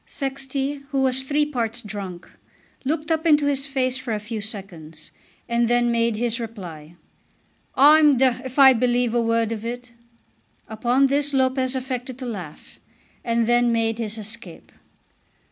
Sexty, who was three parts drunk, looked up into his face for a few seconds, and then made his reply. "I'm d d if I believe a word of it." Upon this Lopez affected to laugh, and then made his escape.